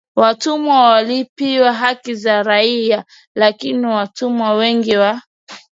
watumwa walipewa haki za kiraia Lakini watumwa wengi wa